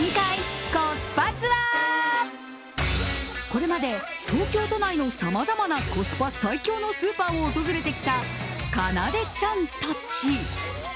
これまで東京都内のさまざまなコスパ最強のスーパーを訪れてきたかなでちゃんたち。